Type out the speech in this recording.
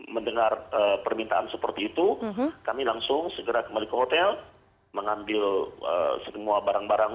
mendengar permintaan seperti itu kami langsung segera kembali ke hotel mengambil semua barang barang